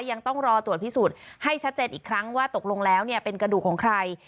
ยังต้องรอตรวจพิสูจน์ให้ชัดเจนอีกครั้งว่าตกลงแล้วเป็นกระดูกของใคร